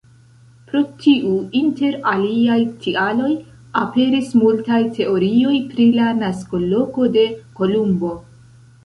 Pro tiu, inter aliaj tialoj, aperis multaj teorioj pri la naskoloko de Kolumbo.